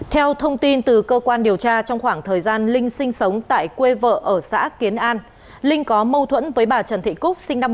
theo thông tin từ cơ quan điều tra trong khoảng thời gian linh sinh sống tại quê vợ ở xã kiến an linh có mâu thuẫn với bà trần thị cúc sinh năm một nghìn chín trăm tám mươi